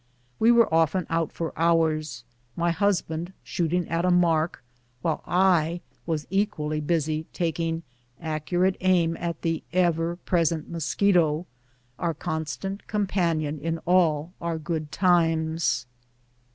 We were often out for hours, my husband shooting at a mark, while I was equally busy taking accurate aim at the ever present mosquito, our constant companion in all our good times.